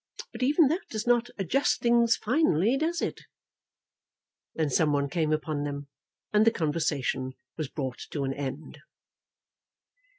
But even that does not adjust things finally; does it?" Then some one came upon them, and the conversation was brought to an end.